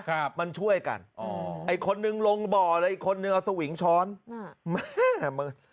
ครับมันช่วยกันอ๋อไอ้คนนึงลงบ่อเลยอีกคนนึงเอาสวิงช้อนอ่าแม่มึง